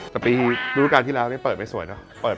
แต่ปีหลุดการที่แล้วเปิดไม่สวยเนอะ